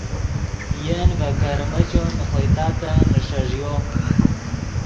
ین ڤے کرمیچو نے خوئے تاتن نیݰݱیو